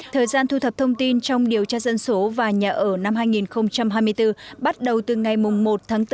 thời gian thu thập thông tin trong điều tra dân số và nhà ở năm hai nghìn hai mươi bốn bắt đầu từ ngày một tháng bốn